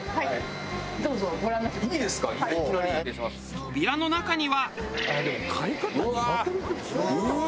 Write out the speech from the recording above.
扉の中には。